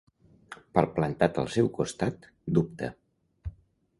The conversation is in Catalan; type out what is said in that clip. Palplantat al seu costat, dubta.